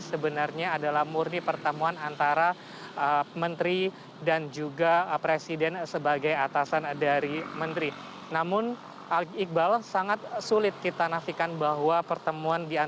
sebenarnya adalah murni pertemuan